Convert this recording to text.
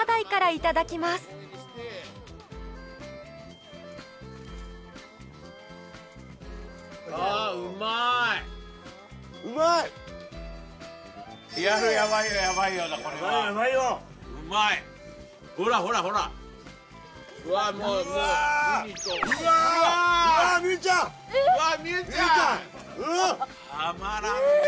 たまらんね。